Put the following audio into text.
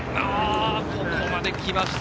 ここまで来ました。